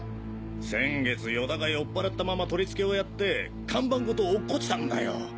先月与田が酔っ払ったまま取り付けをやって看板ごと落っこちたんだよ。